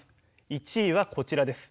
１位はこちらです。